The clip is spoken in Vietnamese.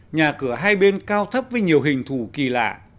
nhà cửa hai bên cao thấp với nhiều hình thù kỳ lạ